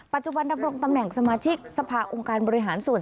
ปัจจุบันดำรงตำแหน่งสมาชิกสภาองค์การบริหารส่วน